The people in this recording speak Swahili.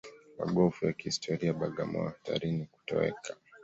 Magofu ya kihistoria Bagamoyo hatarini kutoweka